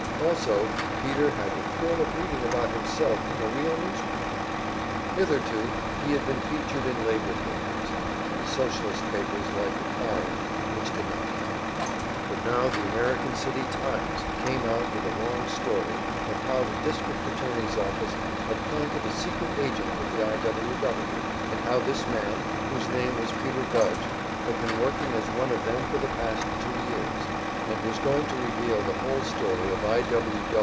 Also, Peter had the thrill of reading about himself in a real newspaper. Hitherto he had been featured in labor papers, and Socialist papers like the "Clarion," which did not count; but now the American City "Times" came out with a long story of how the district attorney's office had "planted" a secret agent with the I. W. W., and how this man, whose name was Peter Gudge, had been working as one of them for the past two years, and was going to reveal the whole story of I.